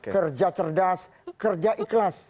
kerja cerdas kerja ikhlas